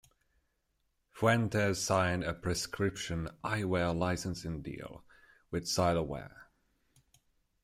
Fuentes signed a prescription-eye wear licensing deal with Zyloware.